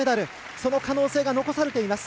その可能性が残されています。